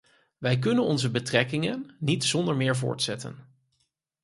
Wij kunnen onze betrekkingen niet zonder meer voortzetten.